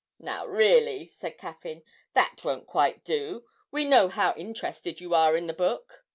'Now really,' said Caffyn, 'that won't quite do; we know how interested you are in the book.'